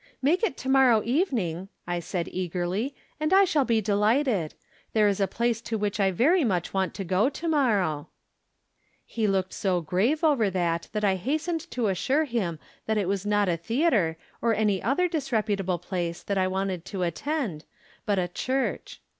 " Make it to morrow evening," I said, eagerly, "and I shall be delighted. There is a place to which I very much want to go, to morrow." He looked so grave over that that I hastened to assure liim that it was not a theatre, or any From Different Standpoints. 219 other disreputable place, tliat I wanted to attend^, but a church.